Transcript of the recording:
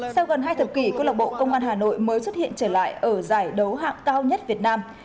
sau gần hai thập kỷ công an hà nội mới xuất hiện trở lại ở giải đấu hạng cao nhất việt nam